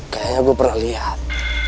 kayaknya gue pernah lihat